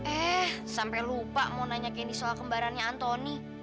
eh sampai lupa mau nanya kendi soal kembarannya antoni